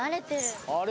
あれ？